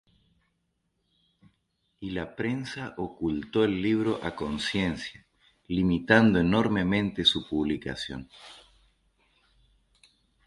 Y la prensa ocultó el libro a conciencia, limitando enormemente su publicación.